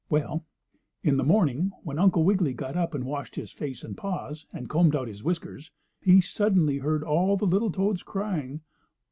Well, in the morning when Uncle Wiggily got up and washed his face and paws, and combed out his whiskers, he suddenly heard all the little toads crying.